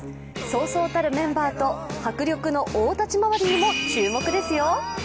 そうそうたるメンバーと、迫力の大立ち回りにも注目ですよ。